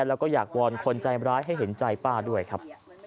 แล้วก็อยากวอนคนใจร้ายให้เห็นใจป้าด้วยครับ